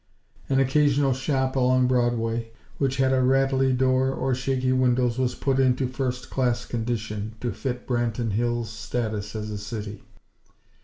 An occasional shop along Broadway, which had a rattly door or shaky windows was put into first class condition, to fit Branton Hills' status as a city.